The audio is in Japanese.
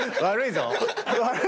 悪いぞ。